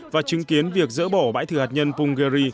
và chứng kiến việc dỡ bỏ bãi thử hạt nhân punggye ri